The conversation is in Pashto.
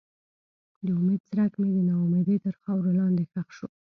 د امید څرک مې د ناامیدۍ تر خاورو لاندې ښخ شو.